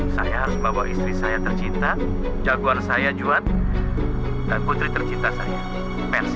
saya harus bawa istri saya tercinta jagoan saya juan dan putri tercinta saya